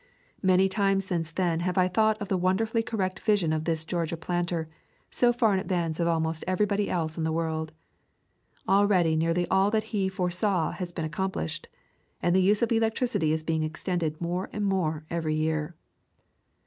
Many times since then I have thought of the wonderfully correct vision of this Georgia planter, so far in advance of almost everybody else in the world. Already nearly all that he foresaw has been accomplished, and the use of electricity is being extended more and more every year.